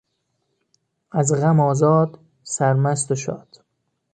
از غم آزاد، سرمست و شاد